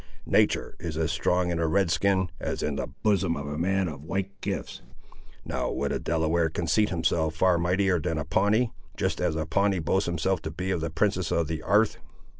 "Natur' is as strong in a Red skin, as in the bosom of a man of white gifts. Now would a Delaware conceit himself far mightier than a Pawnee, just as a Pawnee boasts himself to be of the princes of the 'arth.